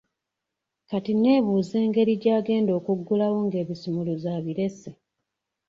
Kati nneebuuza engeri gy'agenda okuggulawo ng'ebisumuluzo abirese.